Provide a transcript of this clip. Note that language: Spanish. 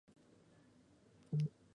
Lo bautizaron en la Iglesia de San Pedro.